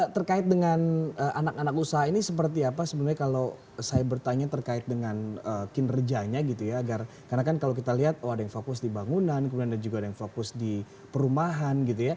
terkait dengan anak anak usaha ini seperti apa sebenarnya kalau saya bertanya terkait dengan kinerjanya gitu ya agar karena kan kalau kita lihat oh ada yang fokus di bangunan kemudian ada juga ada yang fokus di perumahan gitu ya